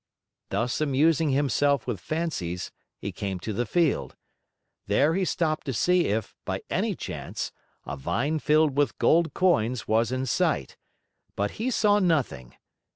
Thus amusing himself with fancies, he came to the field. There he stopped to see if, by any chance, a vine filled with gold coins was in sight. But he saw nothing!